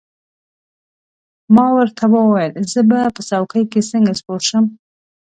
ما ورته وویل: زه به په څوکۍ کې څنګه سپور شم؟